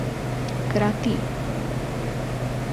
کراتی